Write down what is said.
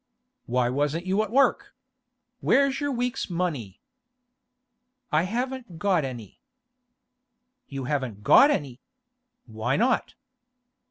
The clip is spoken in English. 'Why wasn't you at work? Where's your week's money?' 'I haven't got any.' 'You haven't got any? Why not?